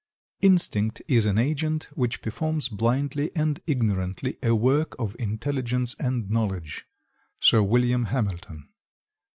"Instinct is an agent which performs blindly and ignorantly a work of intelligence and knowledge."—Sir William Hamilton.